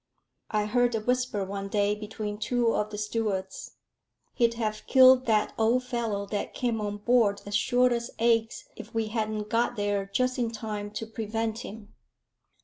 I heard a whisper one day between two of the stewards. "He'd have killed that old fellow that came on board as sure as eggs if we hadn't got there just in time to prevent him."